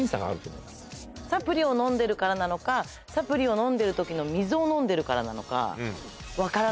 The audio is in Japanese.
サプリを飲んでるからなのかサプリを飲んでる時の水を飲んでるからなのか。